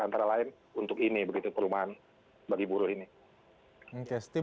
antara lain untuk ini begitu perumahan bagi buruh ini